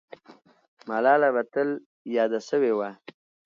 ملاله به تل یاده سوې وه.